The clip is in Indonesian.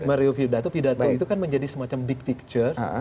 mereup pidato pidato itu kan menjadi semacam big picture